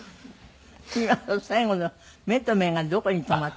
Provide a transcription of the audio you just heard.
今の最後の目と目がどこに止まったって？